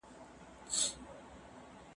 په حنفي فقه کي د ذمي ژوند مهم دی.